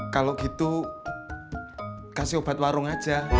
kalau gitu kasih obat warung aja